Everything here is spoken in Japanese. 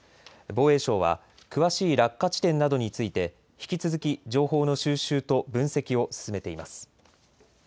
防衛省は詳しい落下地点などについて引き続き情報の収集と分析を進めています。